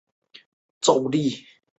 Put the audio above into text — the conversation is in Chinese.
秦哀平帝苻丕氐族人。